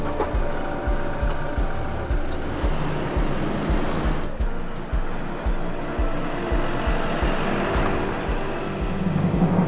mbak elsa apa yang terjadi